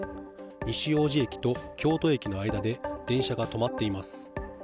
西大路駅と京都駅の間で、電車が止まっています。